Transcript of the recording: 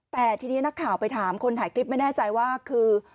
แต่ทีนี้นักข่าวไปถามคนถ่ายคลิปไม่แน่ใจว่าคือ